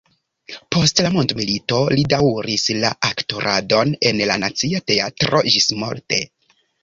Post la mondomilito li daŭris la aktoradon en la Nacia Teatro ĝismorte.